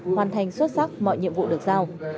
hoàn thành xuất sắc mọi nhiệm vụ được giao